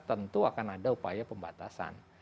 tentu akan ada upaya pembatasan